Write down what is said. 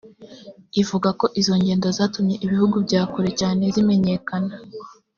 ivuga ko izo ngendo zatumye ibihugu bya kure cyane zimenyekana